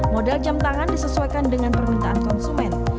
modal jam tangan disesuaikan dengan permintaan konsumen